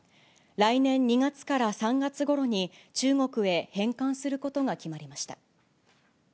来年２月から３月ごろに、中国へ返還することが決まりました。